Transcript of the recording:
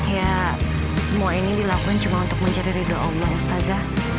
ya semua ini dilakukan cuma untuk mencari ridho allah ustazah